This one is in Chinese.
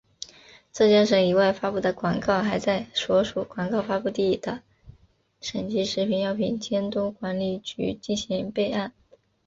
浙江省以外发布的广告还在所属广告发布地的省级食品药品监督管理局进行备案。